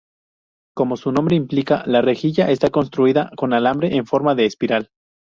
Como su nombre implica, la rejilla está construida con alambre en forma de espiral.